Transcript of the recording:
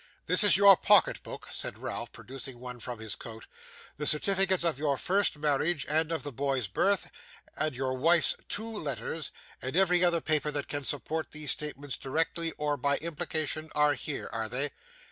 'This is your pocket book,' said Ralph, producing one from his coat; 'the certificates of your first marriage and of the boy's birth, and your wife's two letters, and every other paper that can support these statements directly or by implication, are here, are they?